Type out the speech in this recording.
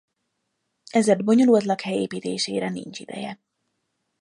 Ezért bonyolult lakhely építésére nincs ideje.